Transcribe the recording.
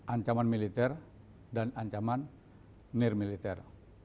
ancaman militer dan ancaman nirmiliter